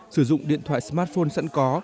sử dụng điện thoại smartphone sẵn có